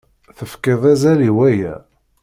Tefkiḍ azal i waya.